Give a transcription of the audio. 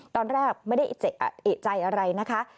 ตอนแรกไม่ได้เอกใจอะไรนะคะ